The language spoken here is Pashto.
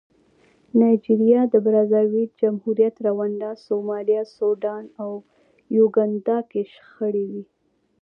نایجریا، د برازاویل جمهوریت، رونډا، سومالیا، سوډان او یوګانډا کې شخړې وې.